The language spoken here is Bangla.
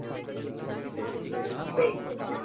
মামুনি, দাঁড়াও।